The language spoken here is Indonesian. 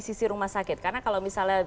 sisi rumah sakit karena kalau misalnya